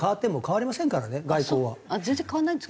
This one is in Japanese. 全然変わらないんですか？